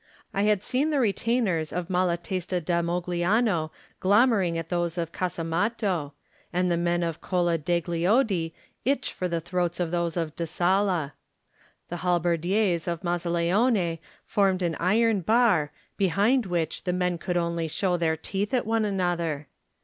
I had seen the retainers of Malatesta da Mogliano glommering at those of Casa matto, and the men of Cola degli Oddi itch for the throats of those of Da Sala. The halberdiers of Mazzaleone formed an iron bar, behind which the men could only show their teeth at one another.